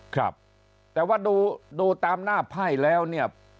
ครับแต่ว่าดูตามหน้าไพ่แล้วเนี่ย